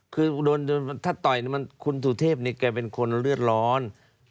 คือถ้าต่อยคุณสุเทพนี่แกเป็นคนเลือดร้อน